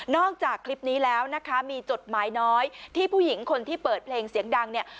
จากคลิปนี้แล้วนะคะมีจดหมายน้อยที่ผู้หญิงคนที่เปิดเพลงเสียงดังเนี่ย